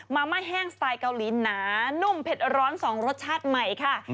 ม่าแห้งสไตล์เกาหลีหนานุ่มเผ็ดร้อน๒รสชาติใหม่ค่ะ